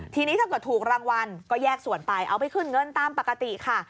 ทีนี้ถ้าเกิดถูกรางวัลก็แยกส่วนไปเอาไปขึ้นเงินตามปกติค่ะ